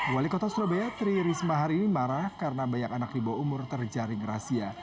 wali kota surabaya tri risma hari ini marah karena banyak anak di bawah umur terjaring rahasia